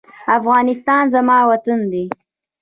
افغانستان زما وطن دی.